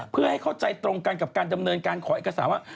เพื่อให้เข้าใจตรงกันกับการดำเนินการขอเอกสารว่า